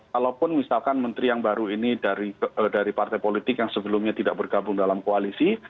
kalaupun misalkan menteri yang baru ini dari partai politik yang sebelumnya tidak bergabung dalam koalisi